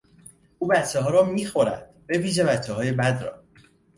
او بچهها را میخورد به ویژه بچههای بد را!